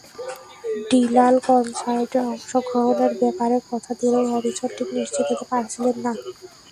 Dylan কনসার্টে অংশগ্রহণের ব্যাপারে কথা দিলেও হ্যারিসন ঠিক নিশ্চিত হতে পারছিলেন না।